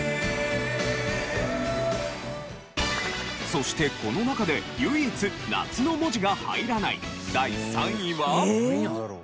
そしてこの中で唯一「夏」の文字が入らない第３位は。